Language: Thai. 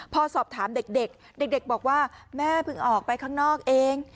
พอสอบถามเด็กเด็กบอกว่าแม่เพิ่งออกไปข้างนอกเอง